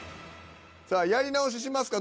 さあやり直ししますか？